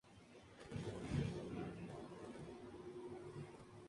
Fue uno de los fundadores del campo que ahora se llama humanidades digitales.